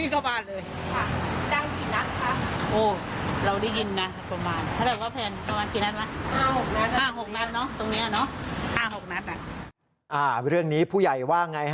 แก๊งกี่นัทครับ